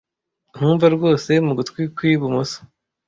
Ntumva rwose mu gutwi kwi bumoso.